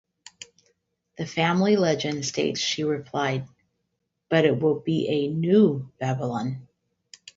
The family legend states she replied: "But it will be a "new" Babylon.